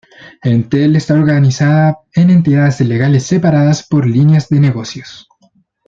Entel está organizada en entidades legales separadas por líneas de negocios.